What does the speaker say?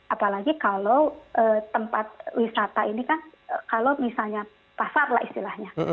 apalagi kalau tempat wisata ini kan kalau misalnya pasar lah istilahnya